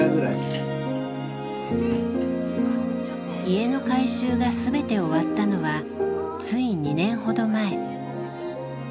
家の改修が全て終わったのはつい２年ほど前。